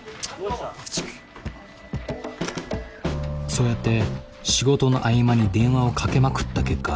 そうやって仕事の合間に電話をかけまくった結果。